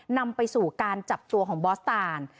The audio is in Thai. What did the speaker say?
นำไปสู่การจับตัวของบอสตาน